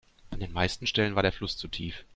An den meisten Stellen war der Fluss zu tief.